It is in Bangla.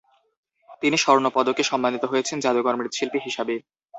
তিনি স্বর্ণপদকে সম্মানিত হয়েছেন জাদুকর মৃৎশিল্পী হিসাবে।